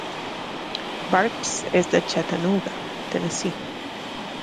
Barks és de Chattanooga, Tennessee.